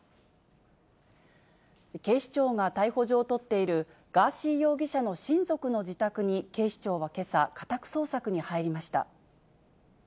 警視庁が逮捕状を取っているガーシー容疑者の親族の自宅に、警視庁がけさ、家宅捜索に入りました。